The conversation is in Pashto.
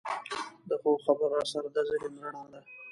د ښو خبرو اثر د ذهن رڼا ده.